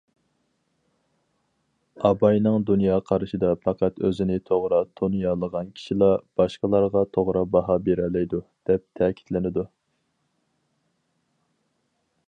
ئاباينىڭ دۇنيا قارىشىدا پەقەت ئۆزىنى توغرا تونۇيالىغان كىشىلا باشقىلارغا توغرا باھا بېرەلەيدۇ، دەپ تەكىتلىنىدۇ.